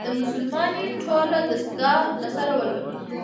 د «مسلمانۍ ټوله دستګاه» له سره ولولي.